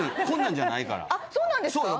そうなんですか？